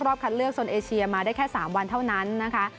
คัดเลือกโซนเอเชียมาได้แค่๓วันเท่านั้นนะคะ